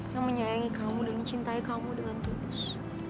yang menyayangi kamu dan mencintai kamu dengan tulus